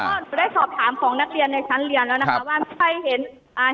ก็ได้สอบถามของนักเรียนในชั้นเรียนแล้วนะคะว่าใครเห็นอ่า